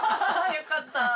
よかった。